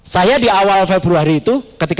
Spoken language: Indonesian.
saya di awal februari itu ketika